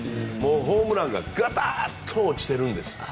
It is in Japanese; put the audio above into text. ホームランががたんと落ちているんです。